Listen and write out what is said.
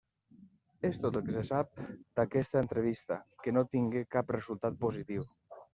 És tot el que se sap d'aquesta entrevista, que no tingué cap resultat positiu.